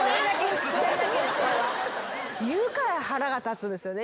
言うから腹が立つんですよね。